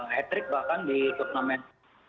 hat trick bahkan di turnamen